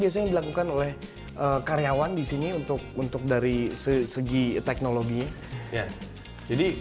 biasanya ini dilakukan oleh karyawan dari segi teknologi